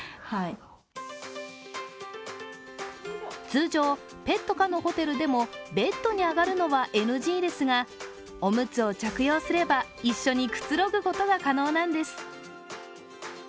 通常、ペット可のホテルでもベッドに上がるのはＮＧですが、おむつを着用すれば一緒にくつろぐことが可能なんです。